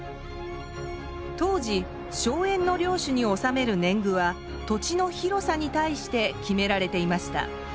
当時荘園の領主に納める年貢は土地の広さに対して決められていました。